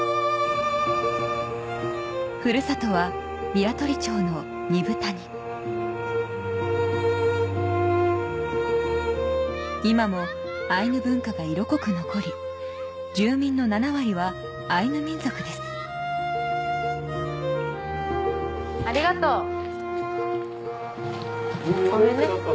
ふるさとは今もアイヌ文化が色濃く残り住民の７割はアイヌ民族ですありがとう。